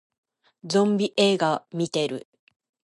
ゾンビ映画見てる